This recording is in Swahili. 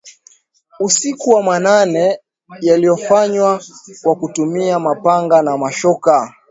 usiku wa manane yaliyofanywa kwa kutumia mapanga na mashoka